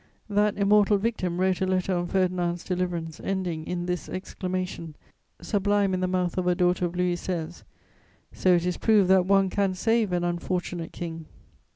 That immortal victim wrote a letter on Ferdinand's deliverance ending in this exclamation, sublime in the mouth of a daughter of Louis XVI.: "So it is proved that one can save an unfortunate king!"